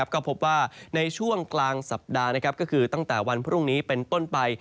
ก็พบว่าในช่วงกลางสัปดาห์ก็คือตั้งแต่วันพรุ่งนี้เป็นต้นไป